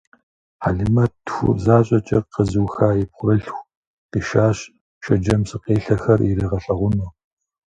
Хьэлимэт «тху» защӀэкӀэ къэзыуха и пхъурылъхур къишащ, Шэджэм псыкъелъэхэр иригъэлъагъуну.